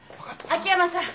秋山さん